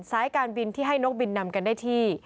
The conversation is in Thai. สายการบินที่ให้นกบินนำกันได้ที่